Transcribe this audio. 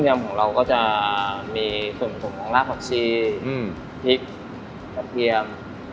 ยำของเราก็จะมีส่วนผสมของรากผักชีพริกกระเทียม